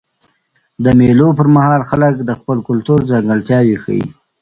د مېلو پر مهال خلک د خپل کلتور ځانګړتیاوي ښیي.